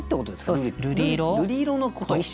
そうです。